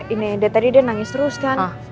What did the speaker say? ini dia tadi dia nangis terus kan